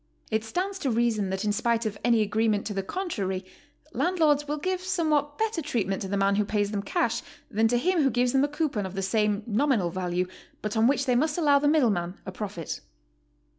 It stands to reason that in spite of any agree now TO STAY. i:^3 ment to the contrary, landlords will give somewhat better treatment to the man who pays them cash than to him who gives them a coupon of the same nominal value, but on which they must allow the middleman a profit.